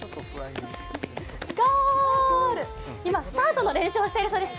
今スタートの練習をしているそうです。